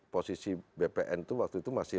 posisi bpn itu waktu itu masih